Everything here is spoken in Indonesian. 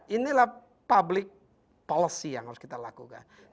inilah public policy yang harus kita lakukan